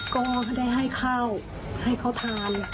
ก็ได้ให้ข้าวให้เขาทาน